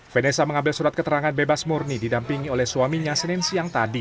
vanessa mengambil surat keterangan bebas murni didampingi oleh suaminya senin siang tadi